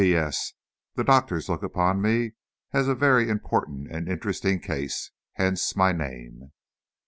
P.S. The doctors look upon me as a very important and interesting case, hence my name.